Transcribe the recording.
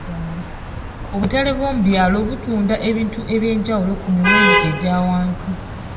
Obutale bw'omu byalo butunda ebintu eby'enjawulo ku miwendo egya wansi.